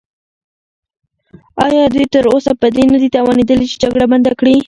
ایا دوی تراوسه په دې نه دي توانیدلي چې جګړه بنده کړي؟